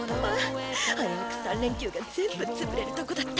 危うく３連休が全部潰れるとこだった。